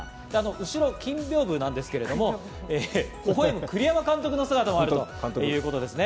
後ろ、金屏風なんですけれども、ほほ笑む栗山監督の姿もあるということですね。